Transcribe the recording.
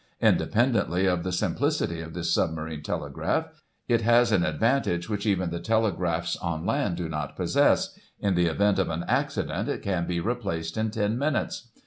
... Independently of the simplicity of this submarine telegraph, it has an ad vantage which even the telegraphs on land do not possess — in the event of an accident, it can be replaced in ten minutes.